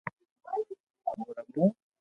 ھون رمو